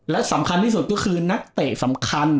และสำคัญที่สุดก็คือนักเตะสำคัญ